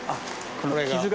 これが。